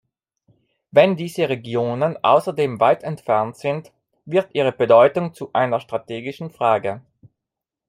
Wenn diese Regionen außerdem weit entfernt sind, wird ihre Bedeutung zu einer strategischen Frage.